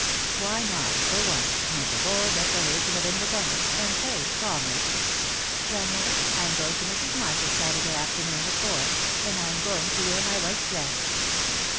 Why not, for once, make a bold declaration of independence, and say, calmly: "Grandmother, I am going to Mrs. Marsh's Saturday afternoon at four, and I am going to wear my white dress."